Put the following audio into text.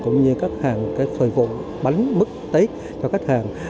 cũng như các hàng thời vụ bánh bứt tết cho khách hàng